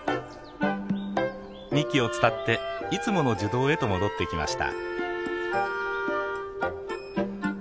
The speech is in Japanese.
幹を伝っていつもの樹洞へと戻ってきました。